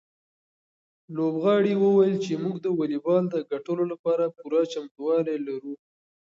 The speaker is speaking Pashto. لوبغاړي وویل چې موږ د واليبال د ګټلو لپاره پوره چمتووالی لرو.